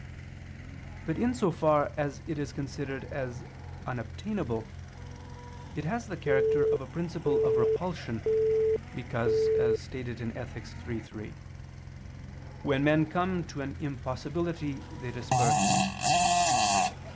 But in so far as it is considered as unobtainable, it has the character of a principle of repulsion, because, as stated in Ethic. iii, 3, "when men come to an impossibility they disperse."